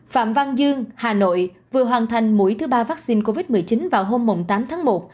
phạm văn dương hà nội vừa hoàn thành mũi thứ ba vaccine covid một mươi chín vào hôm tám tháng một